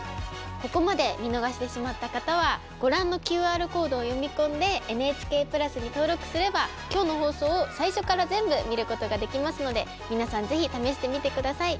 ここまで見逃してしまった方はご覧のＱＲコードを読み込んで「ＮＨＫプラス」に登録すれば今日の放送を最初から全部見ることができますので皆さん是非試してみて下さい。